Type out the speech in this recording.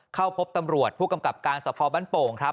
เข้าพบตำรวจผู้กำกับการสภบ้านโป่งครับ